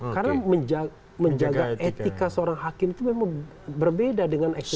karena menjaga etika seorang hakim itu memang berbeda dengan eksekutif